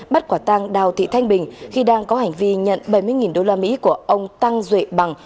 bắt quả tăng đào thị thanh bình khi đang có hành vi nhận bảy mươi đô la mỹ của ông tăng duệ bằng